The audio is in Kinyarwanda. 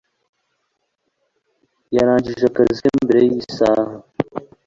Yarangije akazi ke mbere yisaha.